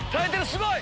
すごい！